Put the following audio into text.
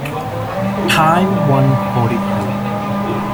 Time one forty two.